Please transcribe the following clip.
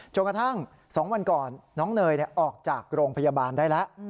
กระทั่ง๒วันก่อนน้องเนยออกจากโรงพยาบาลได้แล้ว